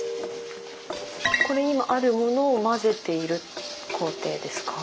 これ今あるものをまぜている工程ですか？